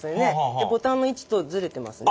でボタンの位置とずれてますね。